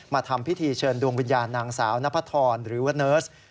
ทำพิธีเชิญดวงวิญญาณนางสาวนพธรหรือว่าเนิร์ส